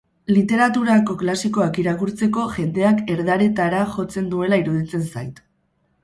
Literaturako klasikoak irakurtzeko, jendeak erdaretara jotzen duela iruditzen zait.